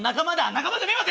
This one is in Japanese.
仲間じゃねえわ！